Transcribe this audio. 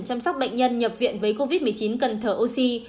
chăm sóc bệnh nhân nhập viện với covid một mươi chín cần thở oxy